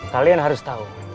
kalian harus tahu